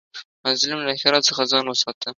مظلوم له ښېرا څخه ځان وساته